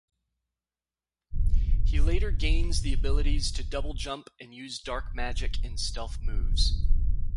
He later gains the abilities to double-jump and use dark magic and stealth moves.